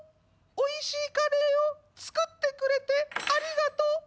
おいしいカレーを作ってくれてありがとう。